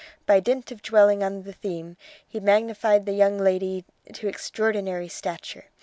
By dint of dwelling on the theme, he magnified the young lady to extraordinary stature.